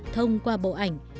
thông qua bộ ảnh